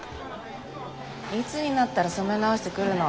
いつになったら染め直してくるの。